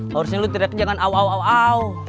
harusnya lu teriak jangan au au au au